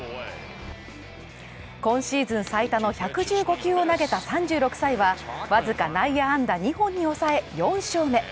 今シーズン最多の１１５球を投げた３６歳は、僅か内野安打２本に押さえ、４勝目。